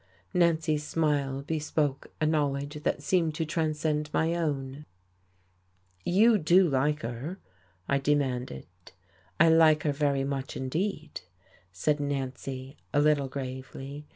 Nancy's smile bespoke a knowledge that seemed to transcend my own. "You do like her?" I demanded. "I like her very much indeed," said Nancy, a little gravely.